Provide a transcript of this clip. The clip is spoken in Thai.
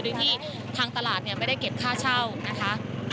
โดยที่ทางตลาดไม่ได้เก็บค่าเช่านะคะ